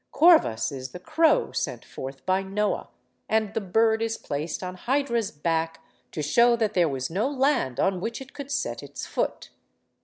Corvus is the crow sent forth by Noah, and the bird is placed on Hydra's back to show that there was no land on which it could set its foot.